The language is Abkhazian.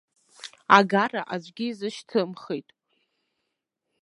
Агара аӡәгьы изышьҭымхит.